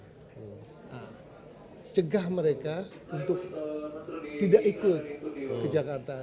nah cegah mereka untuk tidak ikut ke jakarta